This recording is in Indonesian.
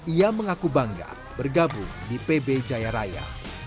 ia mengaku bangga bergabung di pb jaya raya